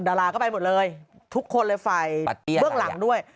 ดาราก็ไปหมดเลยทุกคนเลยฝ่ายเบื้องหลังด้วย